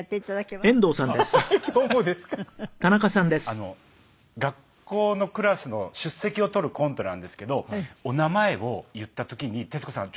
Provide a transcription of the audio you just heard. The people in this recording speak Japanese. あの学校のクラスの出席を取るコントなんですけどお名前を言った時に徹子さん